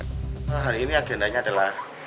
hari ini agendanya adalah